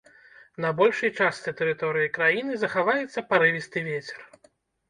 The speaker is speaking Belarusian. На большай частцы тэрыторыі краіны захаваецца парывісты вецер.